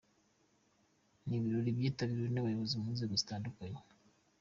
Ni ibirori byitabiriwe n'abayobozi mu nzego zitandukanye.